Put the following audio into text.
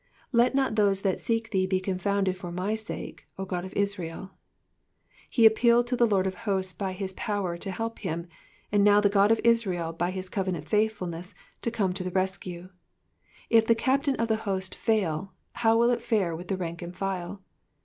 ^''Let not those that »Bek thee he co founded for my sake, 0 Ood of Israel.'*'' He appealed to the Lord of hosts by his power to help him, and now to the God of Israel by his covenant faithfulness to come to the rescue. If the captain of the host fail, how will it fare with the rank and file